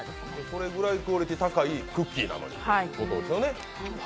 それぐらいクオリティー高いクッキーだということですね。